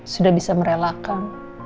sudah bisa merelakan